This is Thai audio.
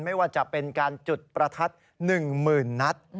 ไม่ว่าจะเป็นการจุดประทัดหนึ่งหมื่นนัด